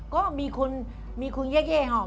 ก็มีคุณเยอะ